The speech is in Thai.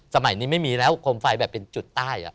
สมัยนี้ไม่มีแล้วโคมไฟแบบเป็นจุดใต้